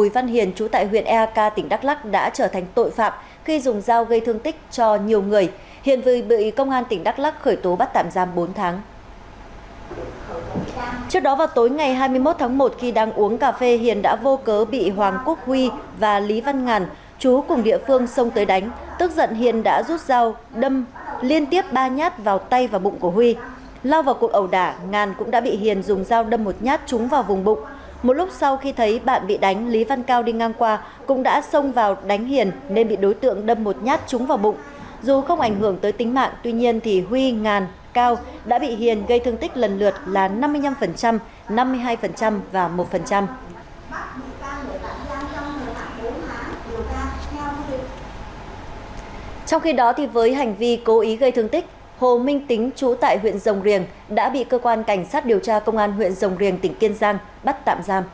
vì đó thì với hành vi cố ý gây thương tích hồ minh tính chú tại huyện rồng riềng đã bị cơ quan cảnh sát điều tra công an huyện rồng riềng tỉnh kiên giang bắt tạm giam